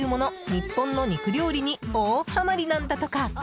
日本の肉料理に大ハマりなんだとか！